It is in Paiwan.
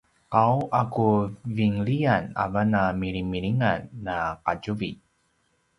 qau a ku vinliyan avan a “milimilingan na qatjuvi”